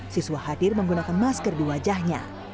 siswa hadir menggunakan masker di wajahnya